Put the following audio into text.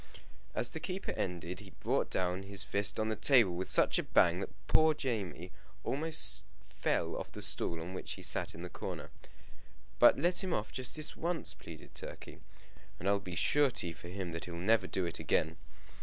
As the keeper ended, he brought down his fist on the table with such a bang, that poor Jamie almost fell off the stool on which he sat in the corner. "But let him off just this once," pleaded Turkey, "and I'll be surety for him that he'll never do it again."